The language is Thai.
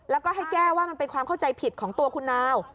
แล้วก็ให้แก้ว่ามันเป็นความเข้าใจผิดของตัวคุณนาว